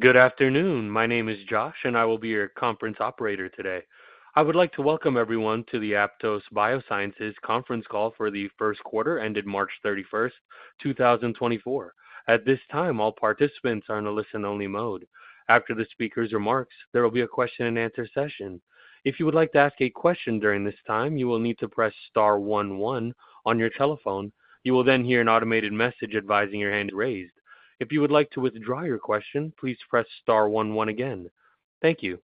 Good afternoon. My name is Josh, and I will be your conference operator today. I would like to welcome everyone to the Aptose Biosciences conference call for the first quarter, ended March 31, 2024. At this time, all participants are in a listen-only mode. After the speaker's remarks, there will be a question and answer session. If you would like to ask a question during this time, you will need to press star one, one on your telephone. You will then hear an automated message advising your hand is raised. If you would like to withdraw your question, please press star one, one again. Thank you.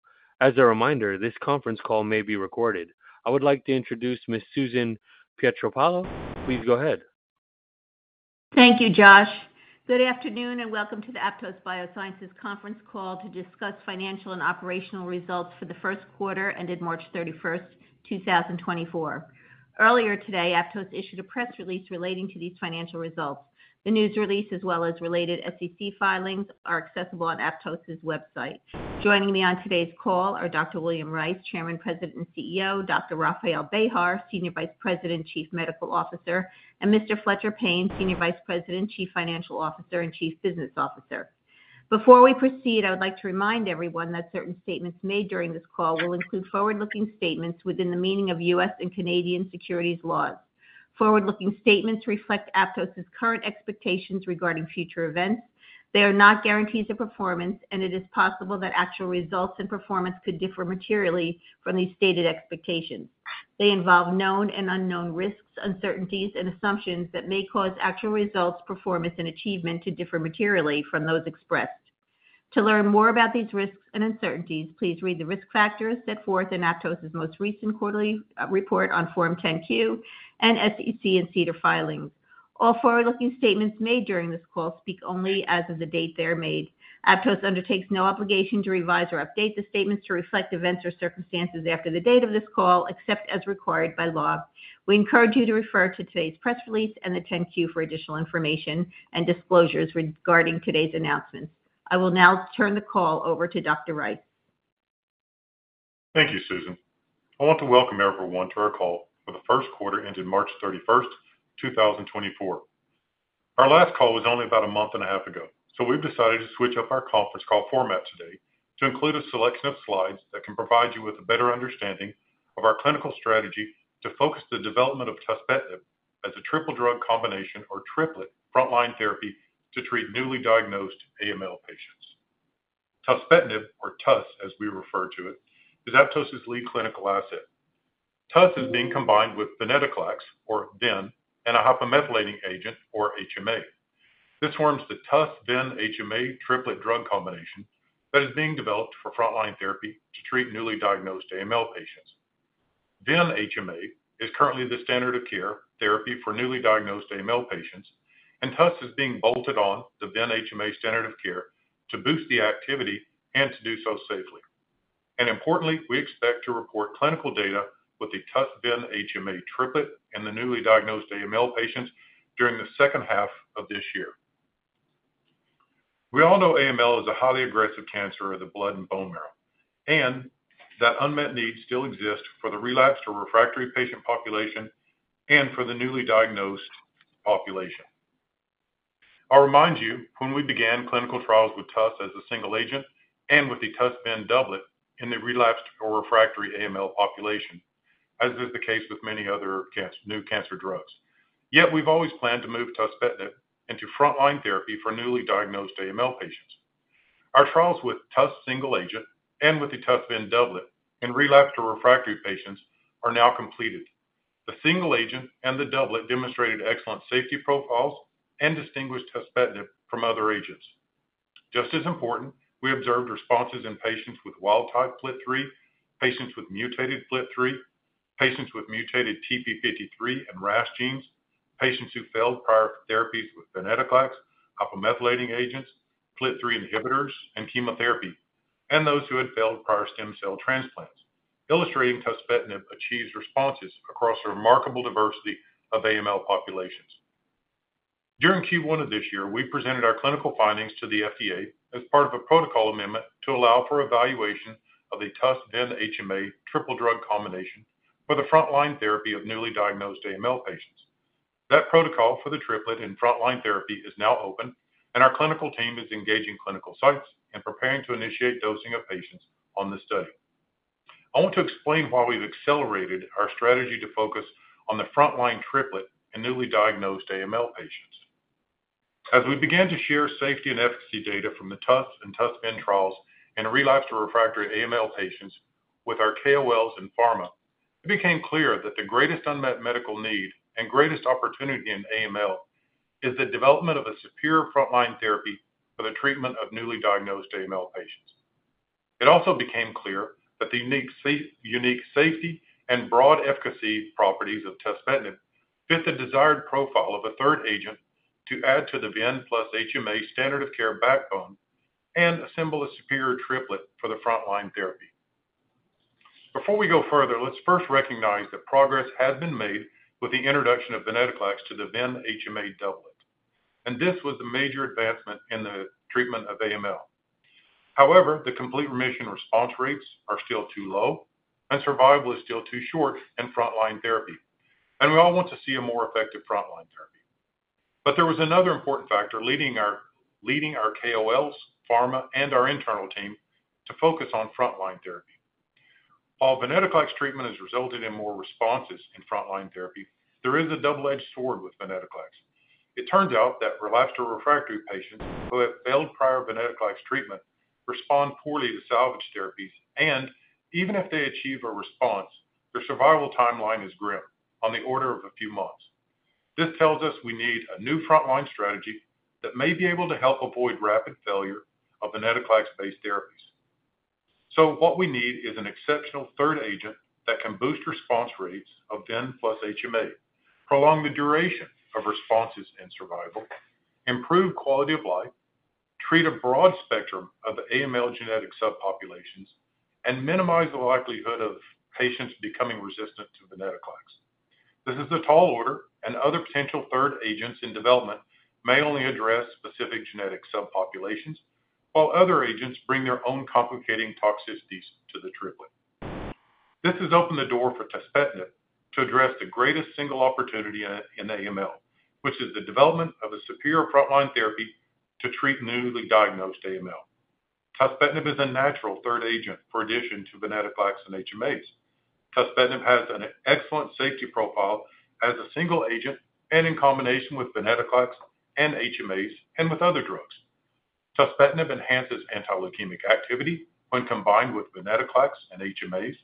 As a reminder, this conference call may be recorded. I would like to introduce Ms. Susan Pietropaolo. Please go ahead. Thank you, Josh. Good afternoon, and welcome to the Aptose Biosciences conference call to discuss financial and operational results for the first quarter, ended March 31, 2024. Earlier today, Aptose issued a press release relating to these financial results. The news release, as well as related SEC filings, are accessible on Aptose's website. Joining me on today's call are Dr. William Rice, Chairman, President, and CEO, Dr. Rafael Bejar, Senior Vice President, Chief Medical Officer, and Mr. Fletcher Payne, Senior Vice President, Chief Financial Officer, and Chief Business Officer. Before we proceed, I would like to remind everyone that certain statements made during this call will include forward-looking statements within the meaning of U.S. and Canadian securities laws. Forward-looking statements reflect Aptose's current expectations regarding future events. They are not guarantees of performance, and it is possible that actual results and performance could differ materially from these stated expectations. They involve known and unknown risks, uncertainties, and assumptions that may cause actual results, performance, and achievement to differ materially from those expressed. To learn more about these risks and uncertainties, please read the risk factors set forth in Aptose's most recent quarterly report on Form 10-Q and SEC and SEDAR filings. All forward-looking statements made during this call speak only as of the date they are made. Aptose undertakes no obligation to revise or update the statements to reflect events or circumstances after the date of this call, except as required by law. We encourage you to refer to today's press release and the 10-Q for additional information and disclosures regarding today's announcements. I will now turn the call over to Dr. Rice. Thank you, Susan. I want to welcome everyone to our call for the first quarter, ended March 31, 2024. Our last call was only about a month and a half ago, so we've decided to switch up our conference call format today to include a selection of slides that can provide you with a better understanding of our clinical strategy to focus the development of tuspetinib as a triple drug combination or triplet frontline therapy to treat newly diagnosed AML patients. Tuspetinib, or TUS, as we refer to it, is Aptose's lead clinical asset. TUS is being combined with Venetoclax, or VEN, and a hypomethylating agent, or HMA. This forms the TUS-VEN-HMA triplet drug combination that is being developed for frontline therapy to treat newly diagnosed AML patients. VEN-HMA is currently the standard of care therapy for newly diagnosed AML patients, and TUS is being bolted on the VEN-HMA standard of care to boost the activity and to do so safely. Importantly, we expect to report clinical data with the TUS-VEN-HMA triplet in the newly diagnosed AML patients during the second half of this year. We all know AML is a highly aggressive cancer of the blood and bone marrow, and that unmet needs still exist for the relapsed or refractory patient population and for the newly diagnosed population. I'll remind you, when we began clinical trials with TUS as a single agent and with the TUS-VEN doublet in the relapsed or refractory AML population, as is the case with many other cancer, new cancer drugs. Yet we've always planned to move tuspetinib into frontline therapy for newly diagnosed AML patients. Our trials with TUS single agent and with the TUS-VEN doublet in relapsed or refractory patients are now completed. The single agent and the doublet demonstrated excellent safety profiles and distinguished tuspetinib from other agents. Just as important, we observed responses in patients with wild-type FLT3, patients with mutated FLT3, patients with mutated TP53 and RAS genes, patients who failed prior therapies with venetoclax, hypomethylating agents, FLT3 inhibitors, and chemotherapy, and those who had failed prior stem cell transplants, illustrating tuspetinib achieves responses across a remarkable diversity of AML populations. During Q1 of this year, we presented our clinical findings to the FDA as part of a protocol amendment to allow for evaluation of the TUS-VEN-HMA triple drug combination for the frontline therapy of newly diagnosed AML patients. That protocol for the triplet and frontline therapy is now open, and our clinical team is engaging clinical sites and preparing to initiate dosing of patients on the study. I want to explain why we've accelerated our strategy to focus on the frontline triplet in newly diagnosed AML patients. As we began to share safety and efficacy data from the TUS and TUS-VEN trials in relapsed or refractory AML patients with our KOLs and pharma, it became clear that the greatest unmet medical need and greatest opportunity in AML is the development of a superior frontline therapy for the treatment of newly diagnosed AML patients. It also became clear that the unique safety and broad efficacy properties of tuspetinib fit the desired profile of a third agent to add to the VEN plus HMA standard of care backbone and assemble a superior triplet for the frontline therapy. Before we go further, let's first recognize that progress has been made with the introduction of venetoclax to the VEN-HMA doublet, and this was a major advancement in the treatment of AML. However, the complete remission response rates are still too low, and survival is still too short in frontline therapy... and we all want to see a more effective frontline therapy. But there was another important factor leading our KOLs, pharma, and our internal team to focus on frontline therapy. While venetoclax treatment has resulted in more responses in frontline therapy, there is a double-edged sword with venetoclax. It turns out that relapsed or refractory patients who have failed prior venetoclax treatment respond poorly to salvage therapies, and even if they achieve a response, their survival timeline is grim, on the order of a few months. This tells us we need a new frontline strategy that may be able to help avoid rapid failure of venetoclax-based therapies. So what we need is an exceptional third agent that can boost response rates of VEN plus HMA, prolong the duration of responses and survival, improve quality of life, treat a broad spectrum of AML genetic subpopulations, and minimize the likelihood of patients becoming resistant to venetoclax. This is a tall order, and other potential third agents in development may only address specific genetic subpopulations, while other agents bring their own complicating toxicities to the triplet. This has opened the door for tuspetinib to address the greatest single opportunity in AML, which is the development of a superior frontline therapy to treat newly diagnosed AML. Tuspetinib is a natural third agent for addition to venetoclax and HMAs. Tuspetinib has an excellent safety profile as a single agent and in combination with venetoclax and HMAs and with other drugs. Tuspetinib enhances anti-leukemic activity when combined with venetoclax and HMAs.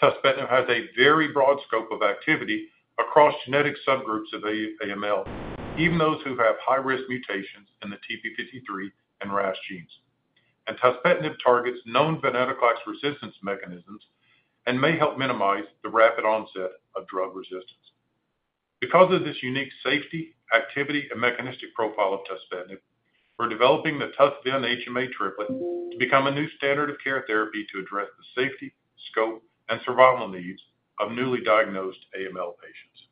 Tuspetinib has a very broad scope of activity across genetic subgroups of AML, even those who have high-risk mutations in the TP53 and RAS genes. And tuspetinib targets known venetoclax resistance mechanisms and may help minimize the rapid onset of drug resistance. Because of this unique safety, activity, and mechanistic profile of tuspetinib, we're developing the TUS-VEN-HMA triplet to become a new standard of care therapy to address the safety, scope, and survival needs of newly diagnosed AML patients.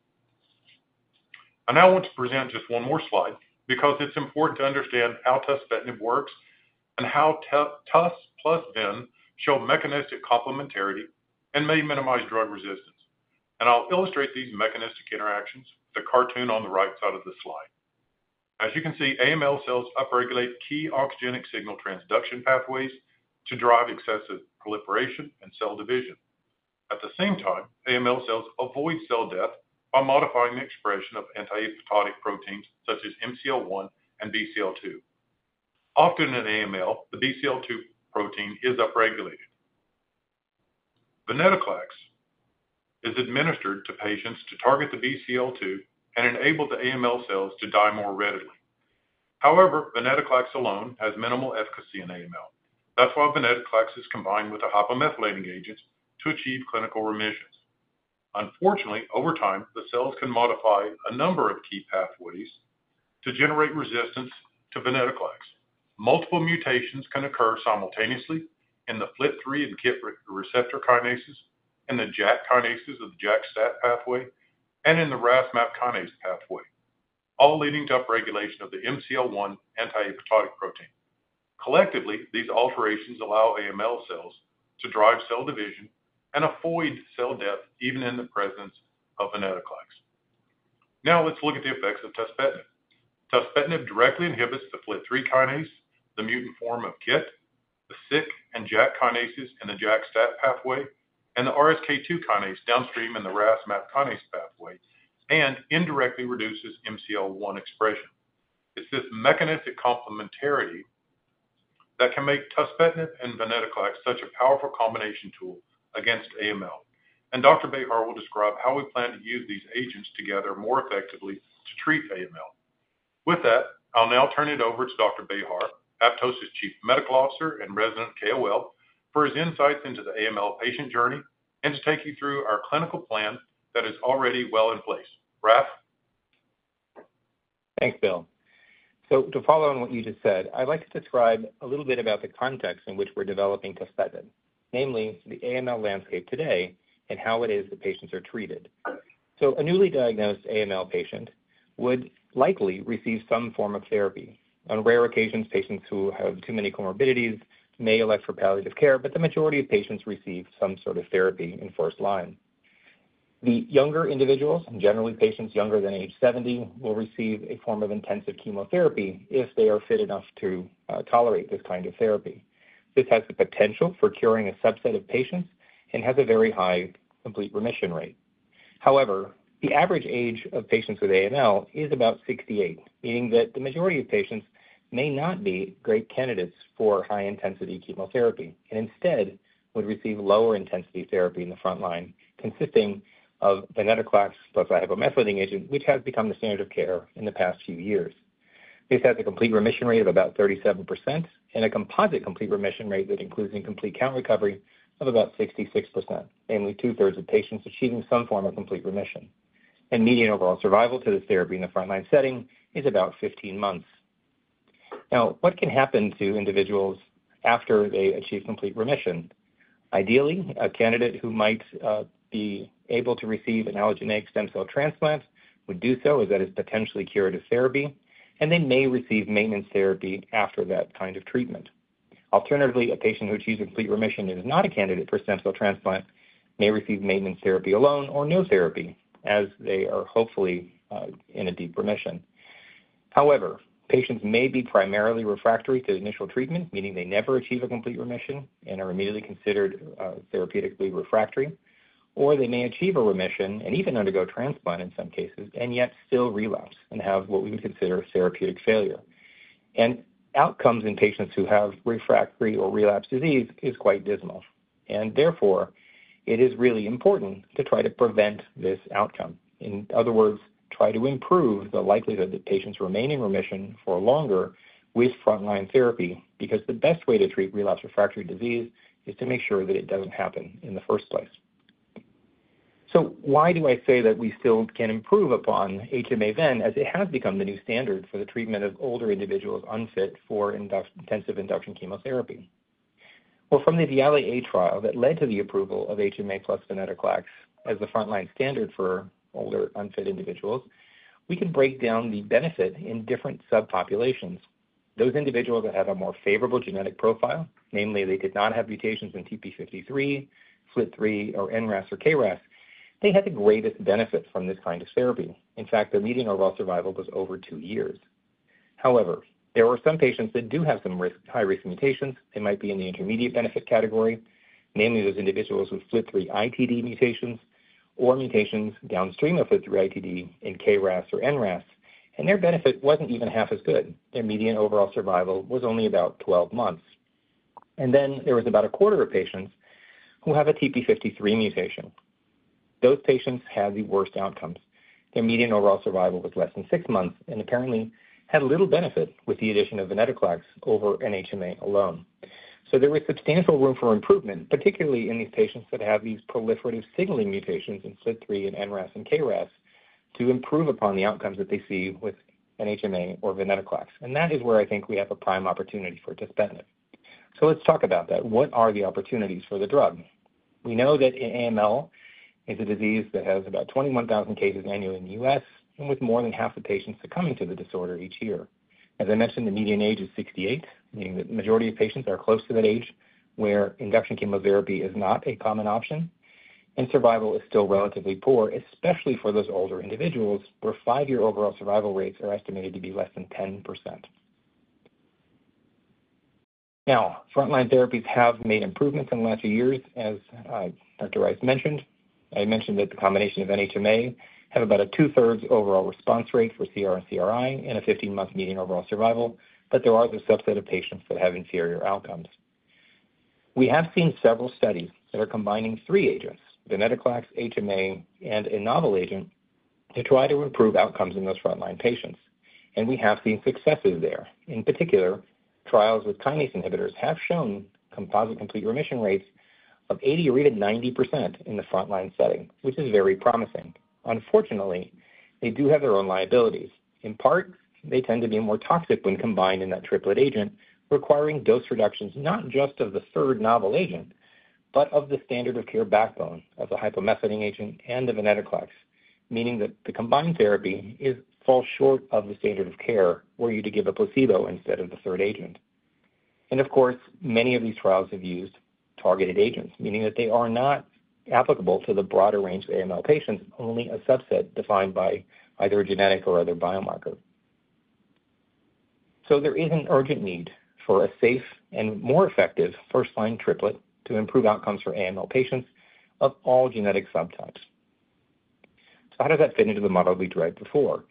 I now want to present just one more slide because it's important to understand how tuspetinib works and how TUS plus VEN show mechanistic complementarity and may minimize drug resistance. I'll illustrate these mechanistic interactions, the cartoon on the right side of the slide. As you can see, AML cells upregulate key oncogenic signal transduction pathways to drive excessive proliferation and cell division. At the same time, AML cells avoid cell death by modifying the expression of anti-apoptotic proteins such as MCL-1 and BCL-2. Often in AML, the BCL-2 protein is upregulated. Venetoclax is administered to patients to target the BCL-2 and enable the AML cells to die more readily. However, venetoclax alone has minimal efficacy in AML. That's why venetoclax is combined with a hypomethylating agent to achieve clinical remissions. Unfortunately, over time, the cells can modify a number of key pathways to generate resistance to venetoclax. Multiple mutations can occur simultaneously in the FLT3 and KIT receptor kinases, in the JAK kinases of the JAK-STAT pathway, and in the RAS-MAP kinase pathway, all leading to upregulation of the MCL-1 anti-apoptotic protein. Collectively, these alterations allow AML cells to drive cell division and avoid cell death, even in the presence of venetoclax. Now, let's look at the effects of tuspetinib. Tuspetinib directly inhibits the FLT3 kinase, the mutant form of KIT, the SYK and JAK kinases in the JAK-STAT pathway, and the RSK2 kinase downstream in the RAS-MAP kinase pathway, and indirectly reduces MCL-1 expression. It's this mechanistic complementarity that can make tuspetinib and venetoclax such a powerful combination tool against AML. And Dr. Bejar will describe how we plan to use these agents together more effectively to treat AML. With that, I'll now turn it over to Dr. Bejar, Aptose's Chief Medical Officer and resident KOL, for his insights into the AML patient journey and to take you through our clinical plan that is already well in place. Raf? Thanks, Bill. So to follow on what you just said, I'd like to describe a little bit about the context in which we're developing tuspetinib, namely the AML landscape today and how it is that patients are treated. A newly diagnosed AML patient would likely receive some form of therapy. On rare occasions, patients who have too many comorbidities may elect for palliative care, but the majority of patients receive some sort of therapy in first line. The younger individuals, and generally patients younger than age 70, will receive a form of intensive chemotherapy if they are fit enough to tolerate this kind of therapy. This has the potential for curing a subset of patients and has a very high complete remission rate. However, the average age of patients with AML is about 68, meaning that the majority of patients may not be great candidates for high-intensity chemotherapy, and instead would receive lower-intensity therapy in the frontline, consisting of venetoclax plus a hypomethylating agent, which has become the standard of care in the past few years. This has a complete remission rate of about 37% and a composite complete remission rate that includes incomplete count recovery of about 66%, namely two-thirds of patients achieving some form of complete remission. Median overall survival to this therapy in the frontline setting is about 15 months. Now, what can happen to individuals after they achieve complete remission? Ideally, a candidate who might be able to receive an allogeneic stem cell transplant would do so as that is potentially curative therapy, and they may receive maintenance therapy after that kind of treatment... Alternatively, a patient who achieves complete remission and is not a candidate for stem cell transplant, may receive maintenance therapy alone or no therapy, as they are hopefully in a deep remission. However, patients may be primarily refractory to initial treatment, meaning they never achieve a complete remission and are immediately considered therapeutically refractory, or they may achieve a remission and even undergo transplant in some cases, and yet still relapse and have what we would consider a therapeutic failure. Outcomes in patients who have refractory or relapsed disease is quite dismal, and therefore, it is really important to try to prevent this outcome. In other words, try to improve the likelihood that patients remain in remission for longer with frontline therapy, because the best way to treat relapsed refractory disease is to make sure that it doesn't happen in the first place. So why do I say that we still can improve upon HMA then, as it has become the new standard for the treatment of older individuals unfit for intensive induction chemotherapy? Well, from the Viale A trial that led to the approval of HMA plus venetoclax as the frontline standard for older, unfit individuals, we can break down the benefit in different subpopulations. Those individuals that have a more favorable genetic profile, namely, they did not have mutations in TP53, FLT3, or NRAS or KRAS, they had the greatest benefit from this kind of therapy. In fact, their median overall survival was over two years. However, there were some patients that do have some risk, high-risk mutations. They might be in the intermediate benefit category, namely those individuals with FLT3-ITD mutations or mutations downstream of FLT3-ITD in KRAS or NRAS, and their benefit wasn't even half as good. Their median overall survival was only about 12 months. And then there was about a quarter of patients who have a TP53 mutation. Those patients had the worst outcomes. Their median overall survival was less than 6 months and apparently had little benefit with the addition of venetoclax over an HMA alone. So there was substantial room for improvement, particularly in these patients that have these proliferative signaling mutations in FLT3 and NRAS and KRAS, to improve upon the outcomes that they see with an HMA or venetoclax. And that is where I think we have a prime opportunity for tuspetinib. So let's talk about that. What are the opportunities for the drug? We know that AML is a disease that has about 21,000 cases annually in the U.S., and with more than half the patients succumbing to the disorder each year. As I mentioned, the median age is 68, meaning that the majority of patients are close to that age, where induction chemotherapy is not a common option, and survival is still relatively poor, especially for those older individuals, where 5-year overall survival rates are estimated to be less than 10%. Now, frontline therapies have made improvements in the last few years, as, Dr. Rice mentioned. I mentioned that the combination of HMA have about a 2/3 overall response rate for CR and CRI, and a 15-month median overall survival, but there are the subset of patients that have inferior outcomes. We have seen several studies that are combining three agents, venetoclax, HMA, and a novel agent, to try to improve outcomes in those frontline patients, and we have seen successes there. In particular, trials with kinase inhibitors have shown composite complete remission rates of 80% or even 90% in the frontline setting, which is very promising. Unfortunately, they do have their own liabilities. In part, they tend to be more toxic when combined in that triplet agent, requiring dose reductions, not just of the third novel agent, but of the standard of care backbone of the hypomethylating agent and the venetoclax, meaning that the combined therapy is, falls short of the standard of care, were you to give a placebo instead of the third agent. And of course, many of these trials have used targeted agents, meaning that they are not applicable to the broader range of AML patients, only a subset defined by either a genetic or other biomarker. So there is an urgent need for a safe and more effective first-line triplet to improve outcomes for AML patients of all genetic subtypes. So how does that fit into the model we described before?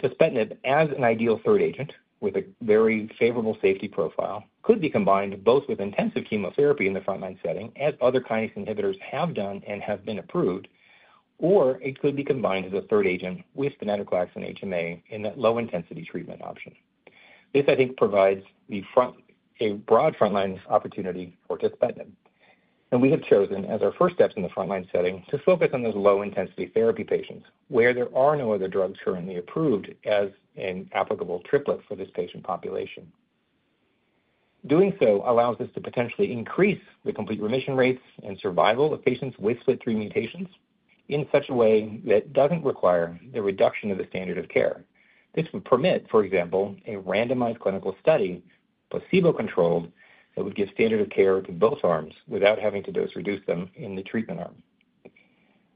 Tuspetinib, as an ideal third agent with a very favorable safety profile, could be combined both with intensive chemotherapy in the frontline setting, as other kinase inhibitors have done and have been approved, or it could be combined as a third agent with venetoclax and HMA in that low-intensity treatment option. This, I think, provides a broad frontline opportunity for tuspetinib, and we have chosen as our first steps in the frontline setting, to focus on those low-intensity therapy patients, where there are no other drugs currently approved as an applicable triplet for this patient population. Doing so allows us to potentially increase the complete remission rates and survival of patients with FLT3 mutations in such a way that doesn't require a reduction of the standard of care. This would permit, for example, a randomized clinical study, placebo-controlled, that would give standard of care to both arms without having to dose-reduce them in the treatment arm.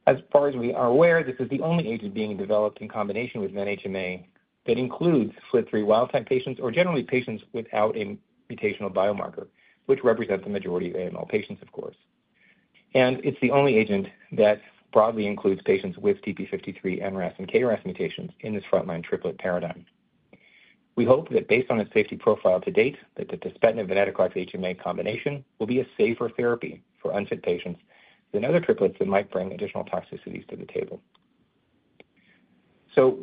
As far as we are aware, this is the only agent being developed in combination with Ven-HMA that includes FLT3 wild type patients, or generally patients without a mutational biomarker, which represents the majority of AML patients, of course. And it's the only agent that broadly includes patients with TP53, NRAS, and KRAS mutations in this frontline triplet paradigm. We hope that based on its safety profile to date, that the tuspetinib, venetoclax, HMA combination will be a safer therapy for unfit patients than other triplets that might bring additional toxicities to the table. So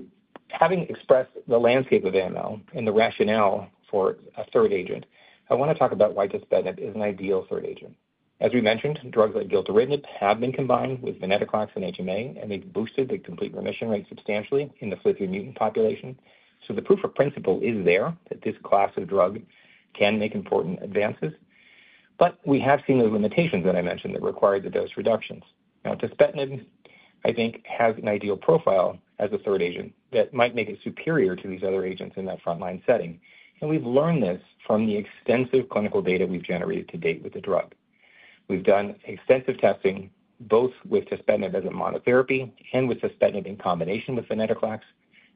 having expressed the landscape of AML and the rationale for a third agent, I want to talk about why tuspetinib is an ideal third agent. As we mentioned, drugs like gilteritinib have been combined with venetoclax and HMA, and they've boosted the complete remission rate substantially in the FLT3 mutant population. So the proof of principle is there, that this class of drug can make important advances. But we have seen those limitations that I mentioned that require the dose reductions. Now, tuspetinib, I think, has an ideal profile as a third agent that might make it superior to these other agents in that frontline setting, and we've learned this from the extensive clinical data we've generated to date with the drug. We've done extensive testing, both with tuspetinib as a monotherapy and with tuspetinib in combination with venetoclax,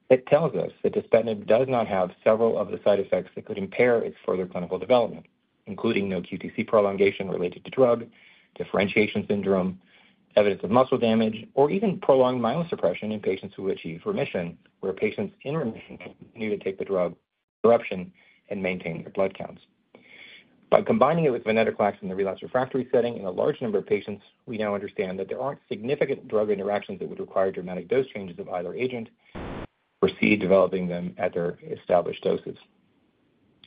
that tells us that tuspetinib does not have several of the side effects that could impair its further clinical development, including no QTc prolongation related to drug, differentiation syndrome, evidence of muscle damage, or even prolonged myelosuppression in patients who achieve remission, where patients in remission need to take the drug interruption and maintain their blood counts. By combining it with venetoclax in the relapsed refractory setting in a large number of patients, we now understand that there aren't significant drug interactions that would require dramatic dose changes of either agent or see developing them at their established doses.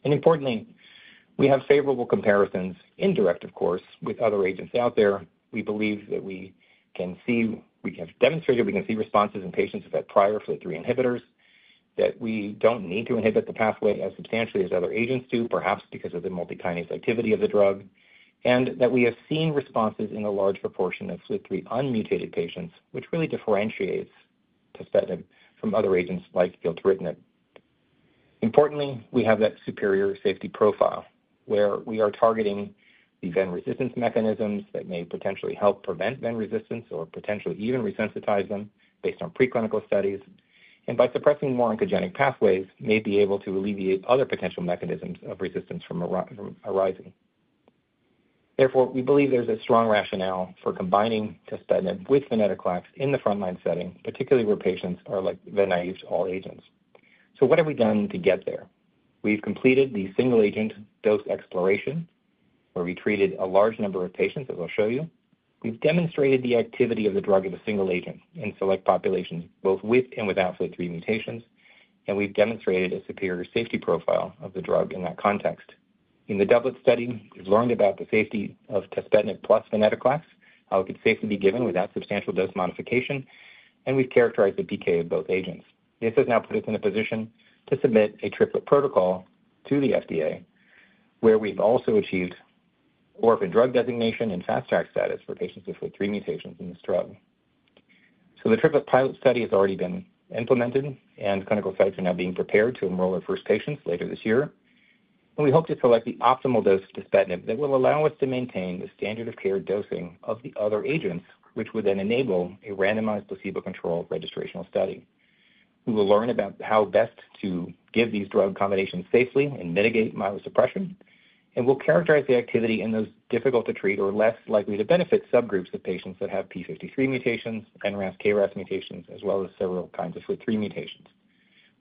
And importantly, we have favorable comparisons, indirect of course, with other agents out there. We believe that we can see, we have demonstrated, we can see responses in patients who've had prior FLT3 inhibitors, that we don't need to inhibit the pathway as substantially as other agents do, perhaps because of the multikinase activity of the drug, and that we have seen responses in a large proportion of FLT3 unmutated patients, which really differentiates tuspetinib from other agents like gilteritinib. Importantly, we have that superior safety profile, where we are targeting the Ven resistance mechanisms that may potentially help prevent Ven resistance or potentially even resensitize them based on preclinical studies, and by suppressing more oncogenic pathways, may be able to alleviate other potential mechanisms of resistance from arising. Therefore, we believe there's a strong rationale for combining tuspetinib with Venetoclax in the frontline setting, particularly where patients are, like, Ven-naïve to all agents. So what have we done to get there? We've completed the single agent dose exploration, where we treated a large number of patients, as I'll show you. We've demonstrated the activity of the drug as a single agent in select populations, both with and without FLT3 mutations, and we've demonstrated a superior safety profile of the drug in that context. In the doublet study, we've learned about the safety of tuspetinib plus Venetoclax, how it could safely be given without substantial dose modification, and we've characterized the PK of both agents. This has now put us in a position to submit a triplet protocol to the FDA, where we've also achieved orphan drug designation and fast track status for patients with FLT3 mutations in this drug. The triplet pilot study has already been implemented, and clinical sites are now being prepared to enroll our first patients later this year. We hope to select the optimal dose of tuspetinib that will allow us to maintain the standard of care dosing of the other agents, which would then enable a randomized placebo-controlled registrational study. We will learn about how best to give these drug combinations safely and mitigate myelosuppression, and we'll characterize the activity in those difficult to treat or less likely to benefit subgroups of patients that have P53 mutations, NRAS, KRAS mutations, as well as several kinds of FLT3 mutations.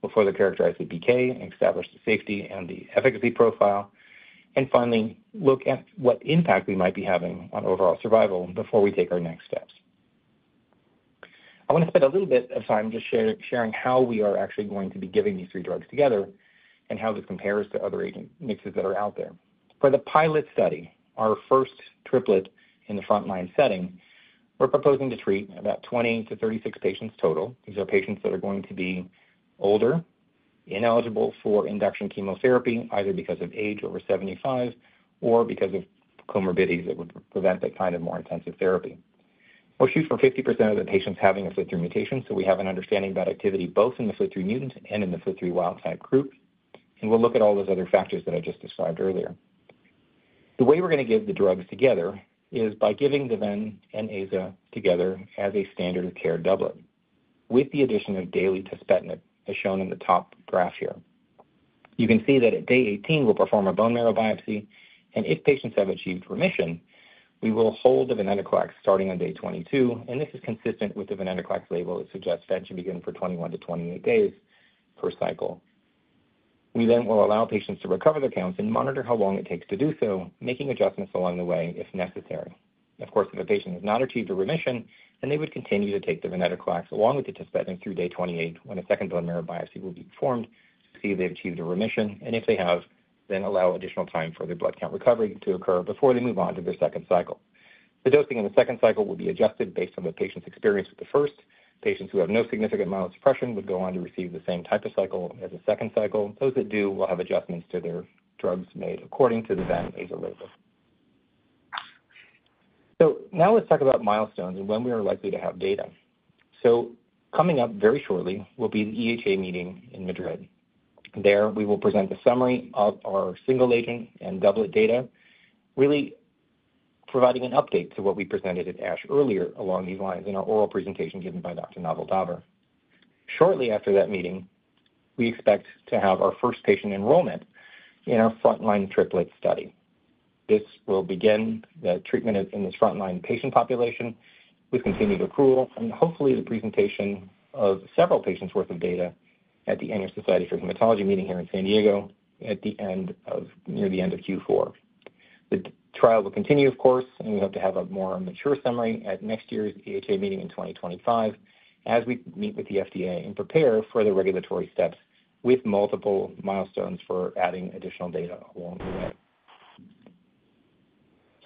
We'll further characterize the PK and establish the safety and the efficacy profile, and finally, look at what impact we might be having on overall survival before we take our next steps. I want to spend a little bit of time sharing how we are actually going to be giving these three drugs together and how this compares to other agent mixes that are out there. For the pilot study, our first triplet in the frontline setting, we're proposing to treat about 20-36 patients total. These are patients that are going to be older, ineligible for induction chemotherapy, either because of age over 75 or because of comorbidities that would prevent that kind of more intensive therapy. We'll shoot for 50% of the patients having a FLT3 mutation, so we have an understanding about activity both in the FLT3 mutant and in the FLT3 wild type group. We'll look at all those other factors that I just described earlier. The way we're going to give the drugs together is by giving the Ven-Aza together as a standard of care doublet, with the addition of daily tuspetinib, as shown in the top graph here. You can see that at day 18, we'll perform a bone marrow biopsy, and if patients have achieved remission, we will hold the Venetoclax starting on day 22, and this is consistent with the Venetoclax label that suggests that should begin for 21-28 days per cycle. We then will allow patients to recover their counts and monitor how long it takes to do so, making adjustments along the way if necessary. Of course, if a patient has not achieved a remission, then they would continue to take the Venetoclax along with the tuspetinib through day 28, when a second bone marrow biopsy will be performed to see if they've achieved a remission, and if they have, then allow additional time for their blood count recovery to occur before they move on to their second cycle. The dosing in the second cycle will be adjusted based on the patient's experience with the first. Patients who have no significant myelosuppression would go on to receive the same type of cycle as a second cycle. Those that do, will have adjustments to their drugs made according to the VEN-AZA label. So now let's talk about milestones and when we are likely to have data. So coming up very shortly will be the EHA meeting in Madrid. There, we will present a summary of our single agent and doublet data, really providing an update to what we presented at ASH earlier along these lines in our oral presentation given by Dr. Naval Daver. Shortly after that meeting, we expect to have our first patient enrollment in our frontline triplet study. This will begin the treatment in this frontline patient population with continued accrual and hopefully the presentation of several patients' worth of data at the annual American Society of Hematology meeting here in San Diego at the end of, near the end of Q4. The trial will continue, of course, and we hope to have a more mature summary at next year's EHA meeting in 2025, as we meet with the FDA and prepare for the regulatory steps with multiple milestones for adding additional data along the way.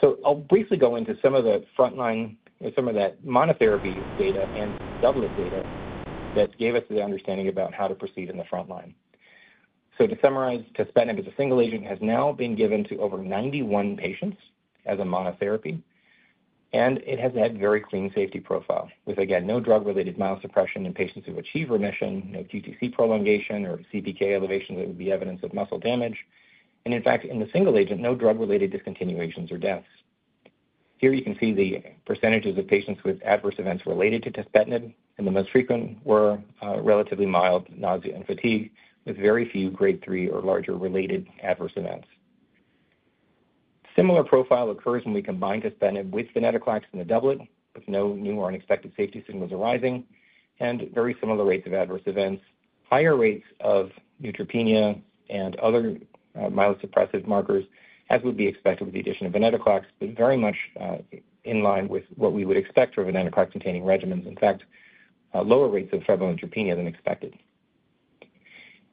So I'll briefly go into some of the frontline and some of that monotherapy data and doublet data that gave us the understanding about how to proceed in the frontline.... So to summarize, tuspetinib as a single agent has now been given to over 91 patients as a monotherapy, and it has had very clean safety profile, with, again, no drug-related myelosuppression in patients who achieve remission, no QTc prolongation or CPK elevation that would be evidence of muscle damage. In fact, in the single agent, no drug-related discontinuations or deaths. Here you can see the percentages of patients with adverse events related to tuspetinib, and the most frequent were relatively mild nausea and fatigue, with very few grade 3 or larger related adverse events. Similar profile occurs when we combine tuspetinib with Venetoclax in the doublet, with no new or unexpected safety signals arising and very similar rates of adverse events, higher rates of neutropenia and other myelosuppressive markers, as would be expected with the addition of Venetoclax, but very much in line with what we would expect from Venetoclax-containing regimens. In fact, lower rates of febrile neutropenia than expected.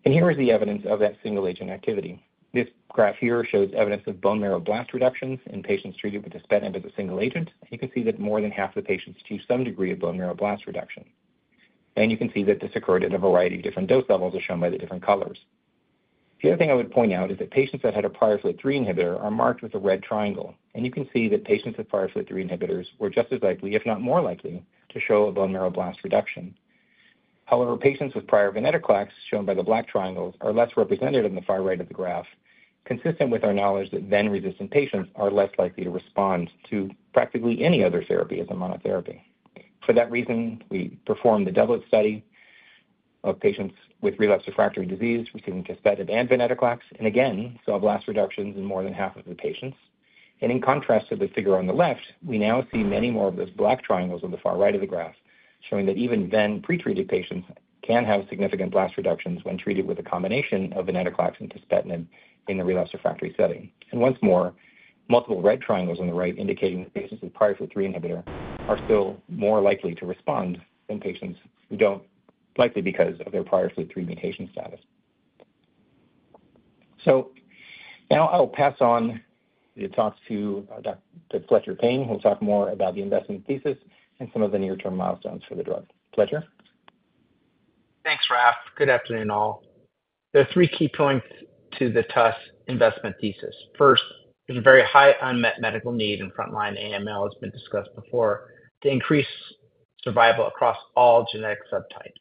And here is the evidence of that single-agent activity. This graph here shows evidence of bone marrow blast reductions in patients treated with tuspetinib as a single agent. You can see that more than half the patients achieve some degree of bone marrow blast reduction. And you can see that this occurred at a variety of different dose levels, as shown by the different colors. The other thing I would point out is that patients that had a prior FLT3 inhibitor are marked with a red triangle, and you can see that patients with prior FLT3 inhibitors were just as likely, if not more likely, to show a bone marrow blast reduction. However, patients with prior Venetoclax, shown by the black triangles, are less represented in the far right of the graph, consistent with our knowledge that VEN-resistant patients are less likely to respond to practically any other therapy as a monotherapy. For that reason, we performed the doublet study of patients with relapsed refractory disease receiving tuspetinib and Venetoclax, and again, saw blast reductions in more than half of the patients. And in contrast to the figure on the left, we now see many more of those black triangles on the far right of the graph, showing that even then, pretreated patients can have significant blast reductions when treated with a combination of Venetoclax and tuspetinib in the relapsed refractory setting. And once more, multiple red triangles on the right indicating that patients with prior FLT3 inhibitor are still more likely to respond than patients who don't, likely because of their prior FLT3 mutation status. So now I'll pass on the talks to Dr. Fletcher Payne, who will talk more about the investment thesis and some of the near-term milestones for the drug. Fletcher? Thanks, Raf. Good afternoon, all. There are three key points to the TUS investment thesis. First, there's a very high unmet medical need in frontline AML, as been discussed before, to increase survival across all genetic subtypes.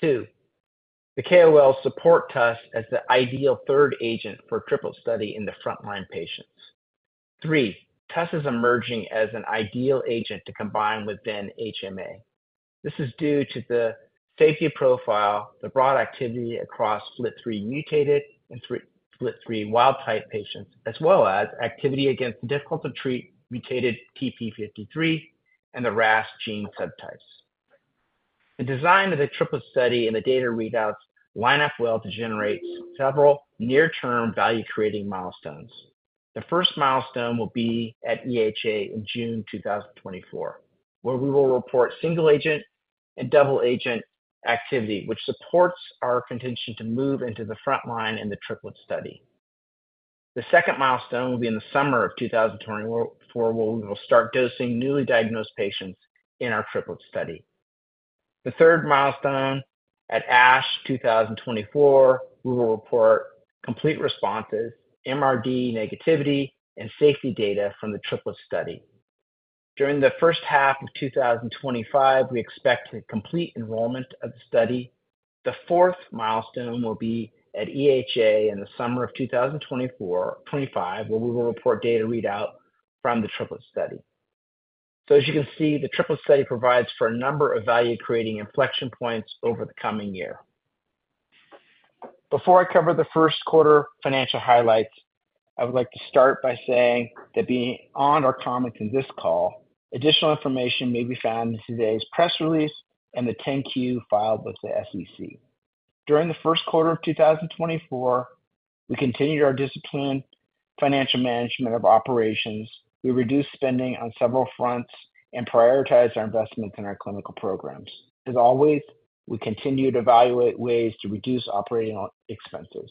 Two, the KOLs support TUS as the ideal third agent for triple study in the frontline patients. Three, TUS is emerging as an ideal agent to combine with ven-HMA. This is due to the safety profile, the broad activity across FLT3-mutated and FLT3 wild-type patients, as well as activity against difficult-to-treat mutated TP53 and the RAS gene subtypes. The design of the triplet study and the data readouts line up well to generate several near-term value-creating milestones. The first milestone will be at EHA in June 2024, where we will report single agent and double agent activity, which supports our contention to move into the front line in the triplet study. The second milestone will be in the summer of 2024, where we will start dosing newly diagnosed patients in our triplet study. The third milestone, at ASH 2024, we will report complete responses, MRD negativity, and safety data from the triplet study. During the first half of 2025, we expect to complete enrollment of the study. The fourth milestone will be at EHA in the summer of 2024-2025, where we will report data readout from the triplet study. So as you can see, the triplet study provides for a number of value-creating inflection points over the coming year. Before I cover the first quarter financial highlights, I would like to start by saying that beyond our comments in this call, additional information may be found in today's press release and the 10-Q filed with the SEC. During the first quarter of 2024, we continued our disciplined financial management of operations. We reduced spending on several fronts and prioritized our investments in our clinical programs. As always, we continue to evaluate ways to reduce operating expenses.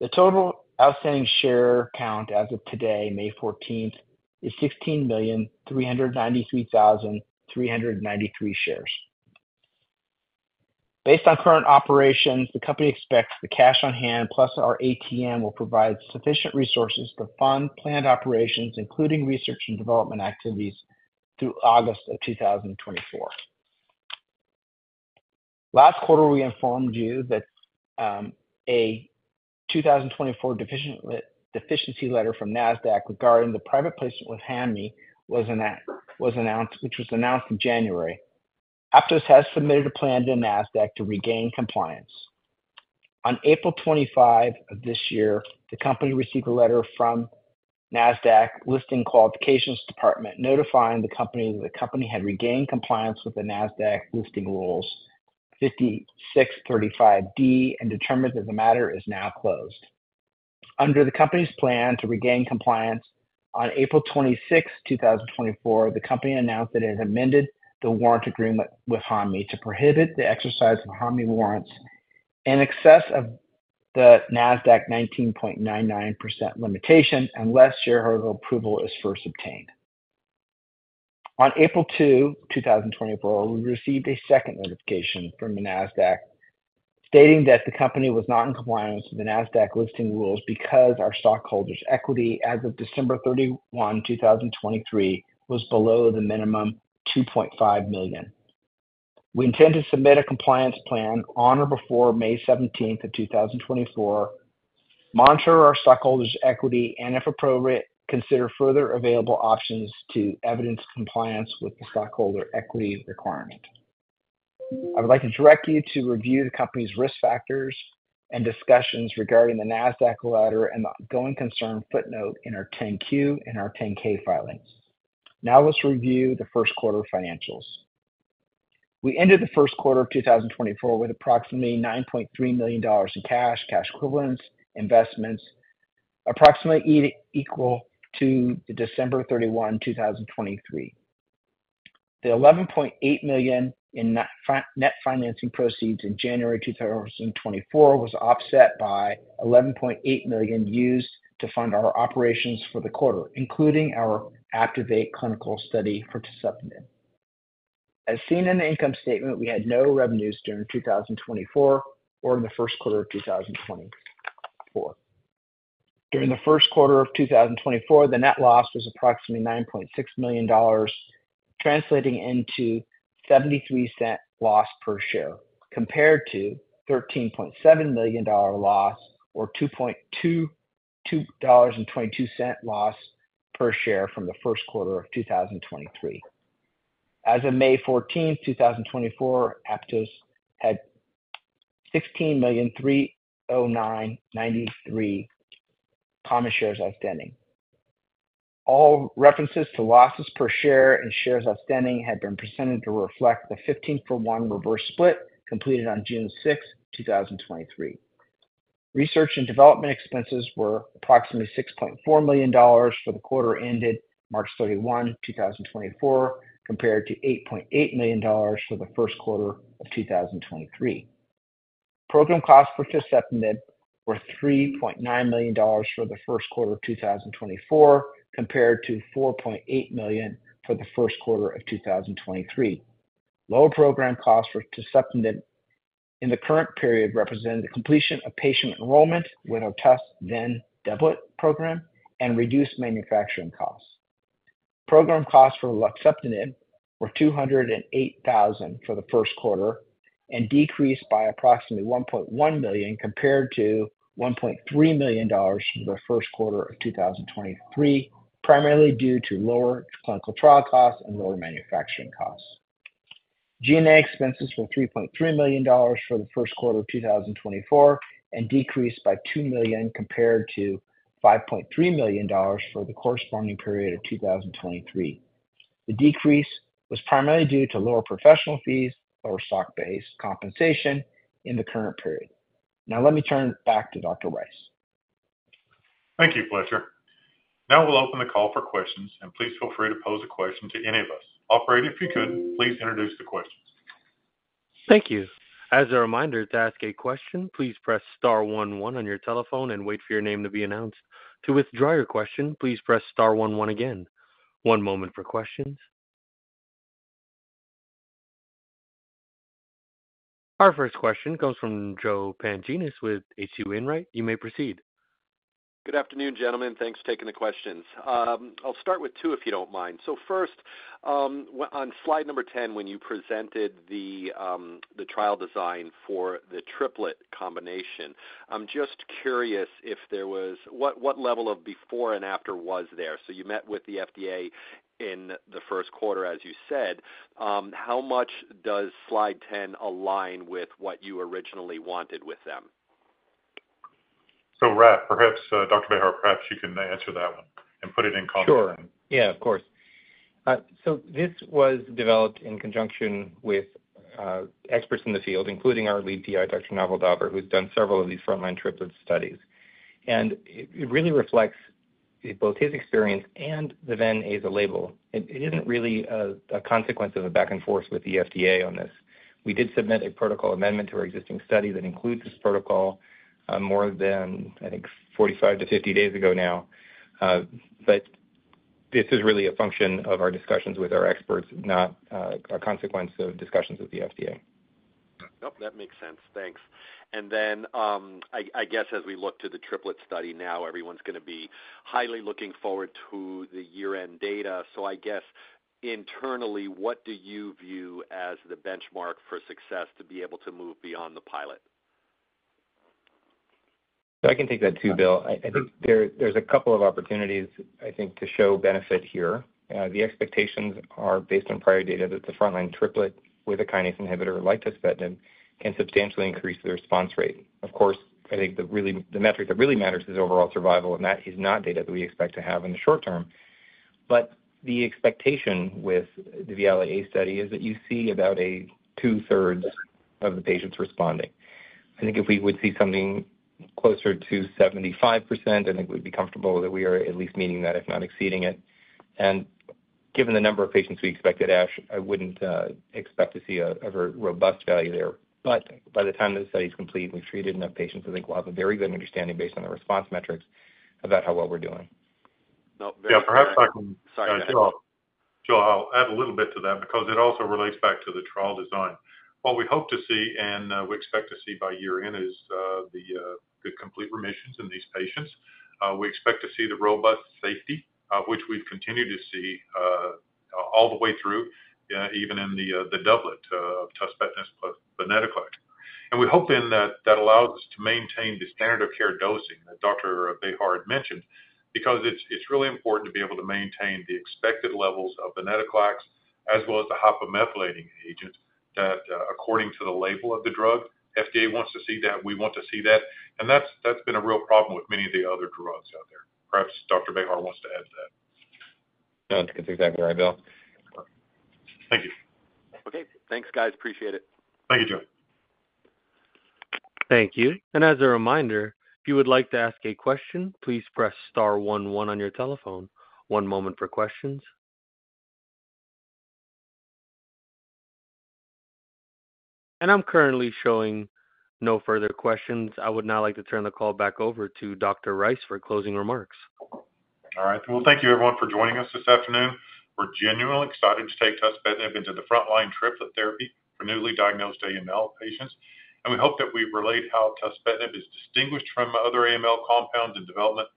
The total outstanding share count as of today, May 14, is 16,393,393 shares. Based on current operations, the company expects the cash on hand, plus our ATM, will provide sufficient resources to fund planned operations, including research and development activities, through August of 2024. Last quarter, we informed you that a 2024 deficiency letter from Nasdaq regarding the private placement with Hanmi was announced, which was announced in January. Aptose has submitted a plan to Nasdaq to regain compliance. On April 25 of this year, the company received a letter from Nasdaq Listing Qualifications Department, notifying the company that the company had regained compliance with the Nasdaq listing rules 5635(d) and determined that the matter is now closed. Under the company's plan to regain compliance, on April 26th, 2024, the company announced that it had amended the warrant agreement with Hanmi to prohibit the exercise of Hanmi warrants in excess of the Nasdaq 19.99% limitation, unless shareholder approval is first obtained. On April 2, 2024, we received a second notification from the Nasdaq stating that the company was not in compliance with the Nasdaq listing rules because our stockholders' equity as of December 31, 2023, was below the minimum $2.5 million. We intend to submit a compliance plan on or before May 17th, 2024, monitor our stockholders' equity, and if appropriate, consider further available options to evidence compliance with the stockholder equity requirement. I would like to direct you to review the company's risk factors and discussions regarding the Nasdaq letter and the ongoing concern footnote in our 10-Q and our 10-K filings. Now, let's review the first quarter financials. We ended the first quarter of 2024 with approximately $9.3 million in cash, cash equivalents, investments, approximately equal to December 31, 2023. The $11.8 million in net financing proceeds in January 2024 was offset by $11.8 million used to fund our operations for the quarter, including our APTIVATE clinical study for tuspetinib. As seen in the income statement, we had no revenues during 2024 or in the first quarter of 2024. During the first quarter of 2024, the net loss was approximately $9.6 million, translating into $0.73 loss per share, compared to $13.7 million loss, or $2.22 loss per share from the first quarter of 2023. As of May 14, 2024, Aptose had 16,309,093 common shares outstanding. All references to losses per share and shares outstanding have been presented to reflect the 15-for-1 reverse split completed on June 6, 2023. Research and development expenses were approximately $6.4 million for the quarter ended March 31, 2024, compared to $8.8 million for the first quarter of 2023. Program costs for tuspetinib were $3.9 million for the first quarter of 2024, compared to $4.8 million for the first quarter of 2023. Lower program costs for tuspetinib in the current period represented the completion of patient enrollment with our TUS-VEN doublet program and reduced manufacturing costs. Program costs for luxeptinib were $208,000 for the first quarter and decreased by approximately $1.1 million compared to $1.3 million for the first quarter of 2023, primarily due to lower clinical trial costs and lower manufacturing costs. G&A expenses were $3.3 million for the first quarter of 2024 and decreased by $2 million compared to $5.3 million for the corresponding period of 2023. The decrease was primarily due to lower professional fees or stock-based compensation in the current period. Now let me turn back to Dr. Rice. Thank you, Fletcher. Now we'll open the call for questions, and please feel free to pose a question to any of us. Operator, if you could, please introduce the questions. Thank you. As a reminder, to ask a question, please press star one one on your telephone and wait for your name to be announced. To withdraw your question, please press star one one again. One moment for questions. Our first question comes from Joe Pantginis with H.C. Wainwright & Co. You may proceed. Good afternoon, gentlemen. Thanks for taking the questions. I'll start with two, if you don't mind. So first, on slide number 10, when you presented the trial design for the triplet combination, I'm just curious if there was what level of before and after was there? So you met with the FDA in the first quarter, as you said. How much does slide 10 align with what you originally wanted with them? So, Raf, perhaps, Dr. Bejar, perhaps you can answer that one and put it in context. Sure. Yeah, of course. So this was developed in conjunction with experts in the field, including our lead PI, Dr. Naval Daver, who's done several of these frontline triplet studies. And it really reflects both his experience and the Venetoclax label. It isn't really a consequence of a back and forth with the FDA on this. We did submit a protocol amendment to our existing study that includes this protocol more than, I think, 45-50 days ago now. But this is really a function of our discussions with our experts, not a consequence of discussions with the FDA. Nope, that makes sense. Thanks. And then, I guess as we look to the triplet study now, everyone's gonna be highly looking forward to the year-end data. So I guess internally, what do you view as the benchmark for success to be able to move beyond the pilot? So I can take that too, Bill. I think there's a couple of opportunities, I think, to show benefit here. The expectations are based on prior data that the frontline triplet with a kinase inhibitor like tuspetinib can substantially increase the response rate. Of course, I think the really, the metric that really matters is overall survival, and that is not data that we expect to have in the short term. But the expectation with the Viale A study is that you see about two-thirds of the patients responding. I think if we would see something closer to 75%, I think we'd be comfortable that we are at least meeting that, if not exceeding it. And given the number of patients we expect at ASH, I wouldn't expect to see a very robust value there. By the time the study is complete, we've treated enough patients, I think we'll have a very good understanding based on the response metrics about how well we're doing. Nope. Yeah, perhaps I can- Sorry, go ahead. So I'll add a little bit to that because it also relates back to the trial design. What we hope to see, and, we expect to see by year-end, is, the complete remissions in these patients. We expect to see the robust safety of which we've continued to see, all the way through, even in the doublet, tuspetinib plus Venetoclax. And we're hoping that that allows us to maintain the standard of care dosing that Dr. Bejar had mentioned, because it's, it's really important to be able to maintain the expected levels of Venetoclax, as well as the hypomethylating agent, that, according to the label of the drug, FDA wants to see that, we want to see that, and that's, that's been a real problem with many of the other drugs out there. Perhaps Dr. Bejar wants to add to that. No, that's exactly right, Bill. Thank you. Okay. Thanks, guys. Appreciate it. Thank you, John. Thank you. As a reminder, if you would like to ask a question, please press star 11 on your telephone. One moment for questions. I'm currently showing no further questions. I would now like to turn the call back over to Dr. Rice for closing remarks. All right. Well, thank you everyone for joining us this afternoon. We're genuinely excited to take tuspetinib into the frontline triplet therapy for newly diagnosed AML patients, and we hope that we've relayed how tuspetinib is distinguished from other AML compounds in development,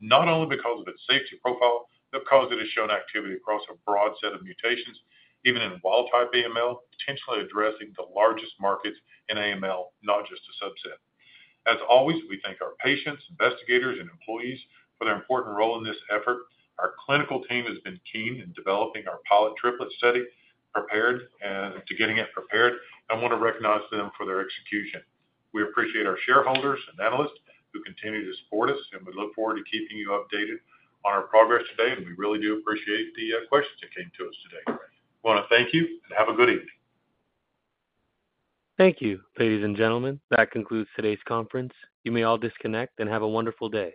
not only because of its safety profile, but because it has shown activity across a broad set of mutations, even in wild type AML, potentially addressing the largest markets in AML, not just a subset. As always, we thank our patients, investigators, and employees for their important role in this effort. Our clinical team has been keen in developing our pilot triplet study, prepared, and to getting it prepared, and want to recognize them for their execution. We appreciate our shareholders and analysts who continue to support us, and we look forward to keeping you updated on our progress today, and we really do appreciate the questions that came to us today. Wanna thank you, and have a good evening. Thank you, ladies and gentlemen. That concludes today's conference. You may all disconnect and have a wonderful day.